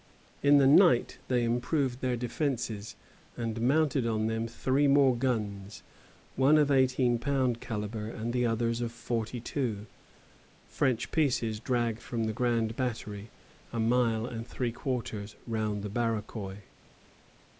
In the night they improved their defences, and mounted on them three more guns, one of eighteen pound calibre, and the others of forty two, French pieces dragged from the Grand Battery, a mile and three quarters round the Barachois.